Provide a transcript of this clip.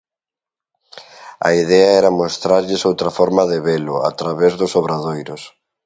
A idea era mostrarlles outra forma de velo a través dos obradoiros.